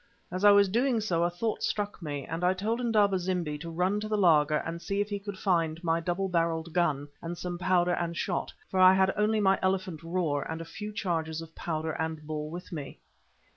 As I was doing so a thought struck me, and I told Indaba zimbi to run to the laager and see if he could find my double barrelled gun and some powder and shot, for I had only my elephant "roer" and a few charges of powder and ball with me.